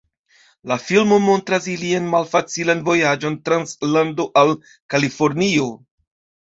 La filmo montras ilian malfacilan vojaĝon trans lando al Kalifornio.